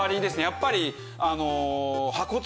やっぱり。